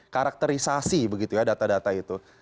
karakterisasi begitu ya data data itu